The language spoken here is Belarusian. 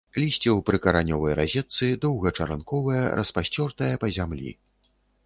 Лісце ў прыкаранёвай разетцы, доўгачаранковае, распасцёртае па зямлі.